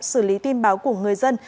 xử lý tin báo của người dân